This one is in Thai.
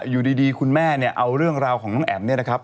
อยู่ดีคุณแม่เนี่ยเอาเรื่องราวของน้องแอ๋มเนี่ยนะครับ